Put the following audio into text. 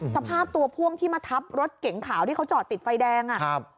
สภาพตัวพ่วงที่มาทับรถเก๋งขาวที่เขาจอดติดไฟแดงอ่ะครับ